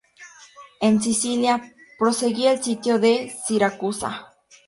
En Sicilia proseguía el Sitio de Siracusa.